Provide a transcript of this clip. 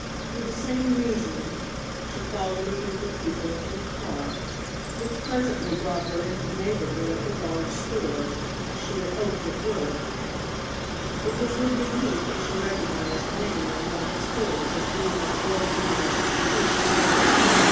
With the same reasoning, she followed a group of people into a car, which presently brought her into the neighborhood of the large stores, as she had hoped it would. It was with relief that she recognized the name on one of the stores as being of world wide reputation.